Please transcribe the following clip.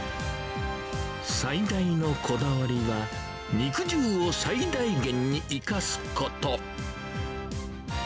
最大のこだわりは、肉汁を最大限に生かすこと。